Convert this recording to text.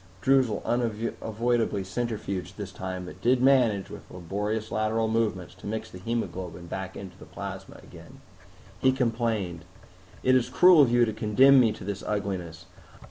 Droozle unavoidably centrifuged this time, but did manage, with laborious lateral movements, to mix the hemoglobin back with the plasma again. He complained, "It is cruel of you to condemn me to this ugliness.